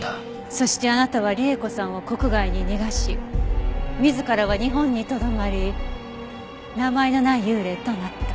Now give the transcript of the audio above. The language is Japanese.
そしてあなたは里江子さんを国外に逃がし自らは日本にとどまり名前のない幽霊となった。